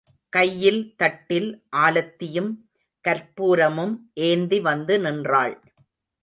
கையில் தட்டில் ஆலத்தியும் கர்ப்பூரமும் ஏந்தி வந்து நின்றாள்.